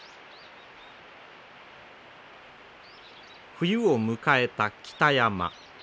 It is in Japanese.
冬を迎えた北山。